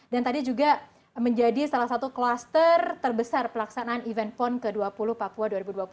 dan tadi juga menjadi salah satu kluster terbesar pelaksanaan event pon ke dua puluh papua dua ribu dua puluh satu